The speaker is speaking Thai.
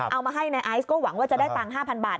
เอามาให้ในไอซ์ก็หวังว่าจะได้ตังค์๕๐๐บาท